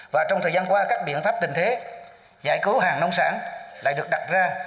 và trong thời gian qua các biện pháp tình thế giải cứu hàng nông sản lại được đặt ra